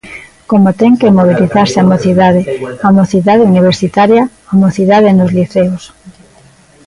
Como ten que mobilizarse a mocidade, a mocidade universitaria, a mocidade nos liceos.